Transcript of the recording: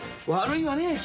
悪いわね